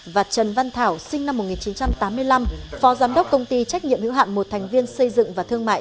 và trần văn thảo sinh năm một nghìn chín trăm tám mươi năm phó giám đốc công ty trách nhiệm hữu hạn một thành viên xây dựng và thương mại